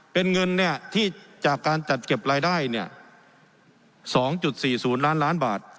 เป็นเงินเนี้ยที่จากการจัดเก็บรายได้เนี้ยสองจุดสี่ศูนย์ล้านล้านบาท